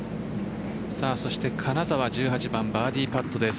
そして金澤１８番バーディパットです。